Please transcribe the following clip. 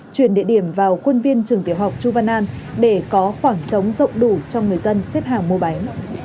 chuyển địa điểm vào khuôn viên trường tiểu học chu văn an để có khoảng trống rộng đủ cho người dân xếp hàng mua bánh